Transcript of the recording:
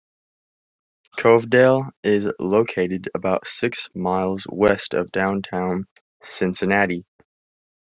Covedale is located about six miles west of downtown Cincinnati.